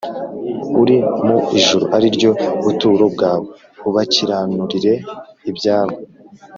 uri mu ijuru ari ryo buturo bwawe, ubakiranurire ibyabo,